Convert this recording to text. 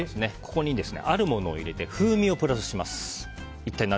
ここにあるものを入れて風味をプラスします。